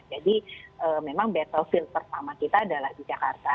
memang battlefield pertama kita adalah di jakarta